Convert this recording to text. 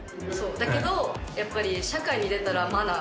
だけど、やっぱり社会に出たらマナー。